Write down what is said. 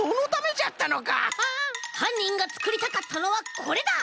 はんにんがつくりたかったのはこれだ！